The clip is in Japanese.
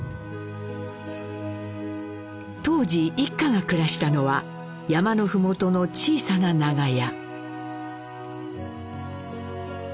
当時一家が暮らしたのは山の麓の小さな長屋。